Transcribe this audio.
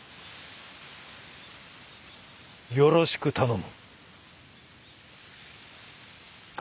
よろしく頼む。